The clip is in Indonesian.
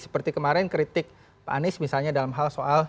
seperti kemarin kritik pak anies misalnya dalam hal soal